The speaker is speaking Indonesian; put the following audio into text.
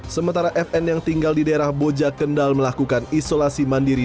sementara fn yang tinggal di daerah boja kendal melakukan isolasi mandiri